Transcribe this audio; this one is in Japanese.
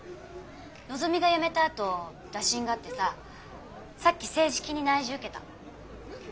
のぞみが辞めたあと打診があってささっき正式に内示受けた。